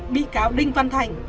bị cáo đinh văn thành